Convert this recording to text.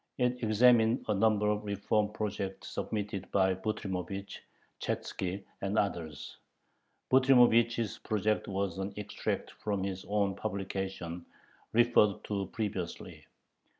It examined a number of reform projects submitted by Butrymovich, Chatzki, and others. Butrymovich's project was an extract from his own publication referred to previously.